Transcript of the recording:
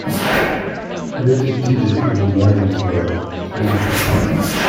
He later deeded the land to her, too.